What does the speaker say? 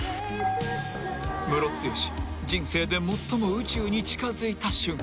［ムロツヨシ人生で最も宇宙に近づいた瞬間］